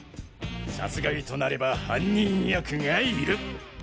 殺害となれば犯人役がいる。